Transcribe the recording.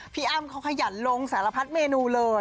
พี่อ้ำเขาขยันลงสารพัดเมนูเลย